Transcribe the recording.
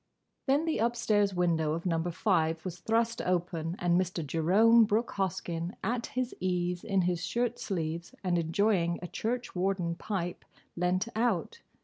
Then the upstairs window of Number Five was thrust open and Mr. Jerome Brooke Hoskyn, at his ease in his shirt sleeves, and enjoying a church warden pipe, leant out.